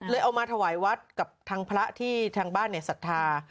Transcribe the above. เอามาถวายวัดกับทางพระที่ทางบ้านศรัทธา